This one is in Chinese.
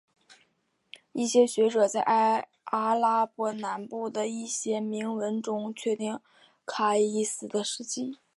一些学者在阿拉伯南部的一些铭文中确定卡伊斯的事迹。